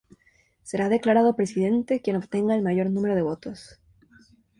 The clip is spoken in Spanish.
Será declarado Presidente quien obtenga el mayor número de votos.